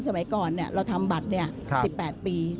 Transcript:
สมัยก่อนเราทำบัตร๑๘ปี